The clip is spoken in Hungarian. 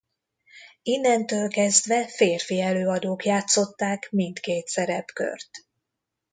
Innentől kezdve férfi előadók játszották mindkét szerepkört.